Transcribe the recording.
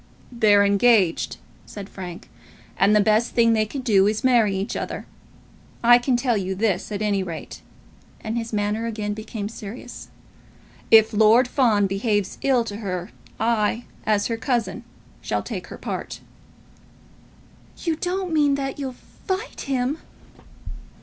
"They're engaged," said Frank, "and the best thing they can do is to marry each other. I can tell you this, at any rate," and his manner again became serious, "if Lord Fawn behaves ill to her, I, as her cousin, shall take her part." "You don't mean that you'll fight him!"